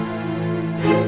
jangan blok mars